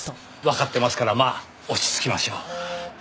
わかってますからまあ落ち着きましょう。